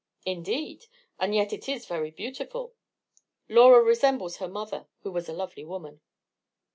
"Indeed! and yet it is very beautiful. Laura resembles her mother, who was a lovely woman."